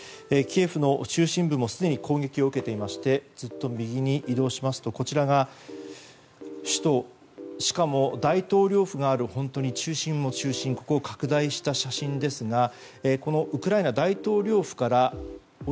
キエフの中心部もすでに攻撃を受けていましてずっと右に移動しますとこちらが首都しかも大統領府がある本当に中心の中心を拡大した写真ですが